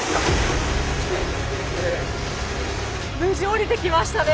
無事下りてきましたね。